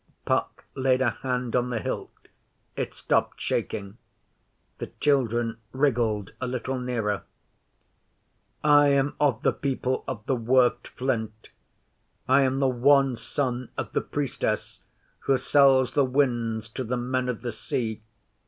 Puck laid a hand on the hilt. It stopped shaking. The children wriggled a little nearer. 'I am of the People of the Worked Flint. I am the one son of the Priestess who sells the Winds to the Men of the Sea.